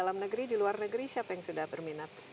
dalam negeri di luar negeri siapa yang sudah berminat